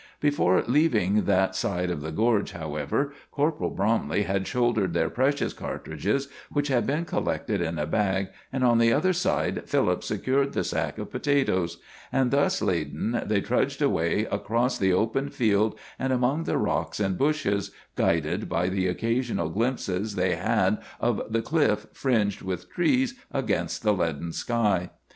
Before leaving that side of the gorge, however, Corporal Bromley had shouldered their precious cartridges, which had been collected in a bag, and on the other side Philip secured the sack of potatoes; and thus laden they trudged away across the open field and among the rocks and bushes, guided by the occasional glimpses they had of the cliff fringed with trees against the leaden sky.